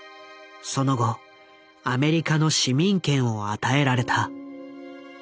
その後アメリカの市民権を与えられた。